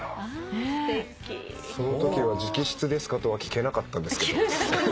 そのときは直筆ですか？とは聞けなかったんですけど。